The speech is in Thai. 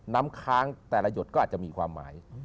น้ำค้างแต่ละหยดก็อาจจะมีความหมาย